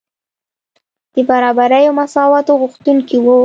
د برابرۍ او مساواتو غوښتونکي وو.